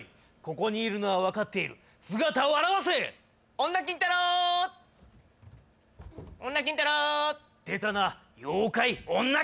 ここにいるのは分かっている姿を現せ女金太郎女金太郎出たな妖怪女